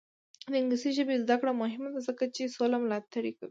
د انګلیسي ژبې زده کړه مهمه ده ځکه چې سوله ملاتړ کوي.